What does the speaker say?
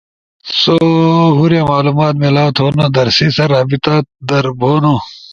سو ہورے معلومات میلاؤ تھونو در سی ست رابطہ در بھونو۔